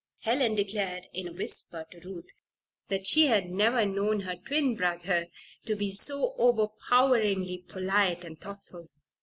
Helen declared, in a whisper to Ruth, that she had never known her twin brother to be so overpoweringly polite and thoughtful.